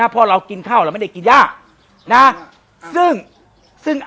เพราะเรากินข้าวเราไม่ได้กินย่านะซึ่ง